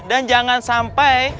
dan jangan sampai